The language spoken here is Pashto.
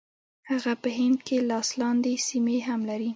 هغه په هند کې لاس لاندې سیمې هم لري.